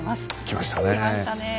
きましたねえ。